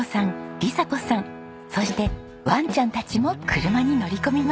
理咲子さんそしてワンちゃんたちも車に乗り込みました。